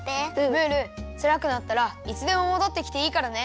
ムールつらくなったらいつでももどってきていいからね。